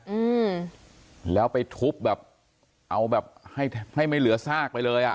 อืมแล้วไปทุบแบบเอาแบบให้ให้ไม่เหลือซากไปเลยอ่ะ